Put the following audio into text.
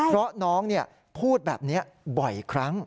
เพราะน้องพูดแบบนี้บ่อยครั้ง